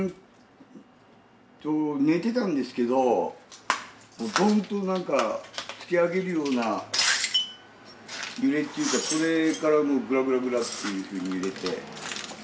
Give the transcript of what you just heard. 寝てたんですけど、ドンと突き上げるような揺れっていうか、それからぐらぐらぐらっていうふうに揺れて。